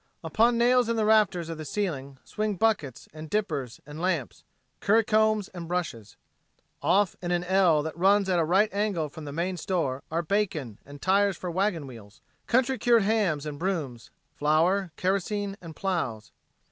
Upon nails in the rafters of the ceiling swing buckets and dippers and lamps, currycombs and brushes. Off in an L that runs at a right angle from the main store are bacon and tires for wagon wheels, country cured hams and brooms, flour, kerosene and plows.